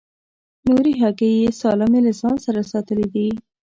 نورې هګۍ یې سالمې له ځان سره ساتلې دي.